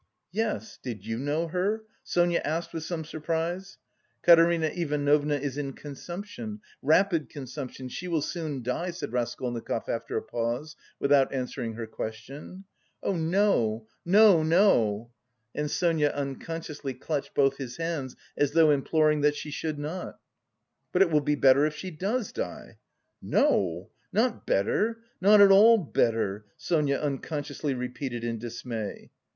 "Yes.... Did you know her?" Sonia asked with some surprise. "Katerina Ivanovna is in consumption, rapid consumption; she will soon die," said Raskolnikov after a pause, without answering her question. "Oh, no, no, no!" And Sonia unconsciously clutched both his hands, as though imploring that she should not. "But it will be better if she does die." "No, not better, not at all better!" Sonia unconsciously repeated in dismay.